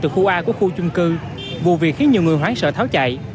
từ khu a của khu chung cư vụ việc khiến nhiều người hoảng sợ tháo chạy